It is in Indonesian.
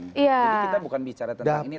jadi kita bukan bicara tentang ini